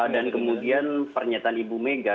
dan kemudian pernyataan bu mega